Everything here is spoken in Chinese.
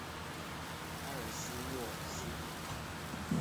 埃尔斯沃思地。